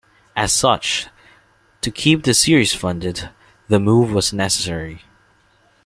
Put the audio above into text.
As such, to keep the series funded, the move was necessary.